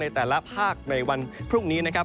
ยังไงกันบ้างในแต่ละภาคในวันพรุ่งนี้นะครับ